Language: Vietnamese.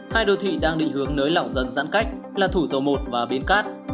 hai đô thị đang định hướng nới lỏng dân giãn cách là thủ dầu một và biên cát